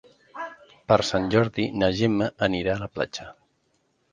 Per Sant Jordi na Gemma anirà a la platja.